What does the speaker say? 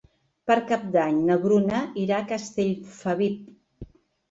Per Cap d'Any na Bruna irà a Castellfabib.